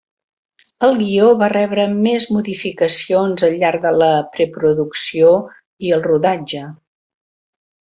El guió va rebre més modificacions al llarg de la preproducció i el rodatge.